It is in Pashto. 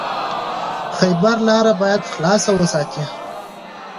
د خیبر لاره باید خلاصه وساتئ.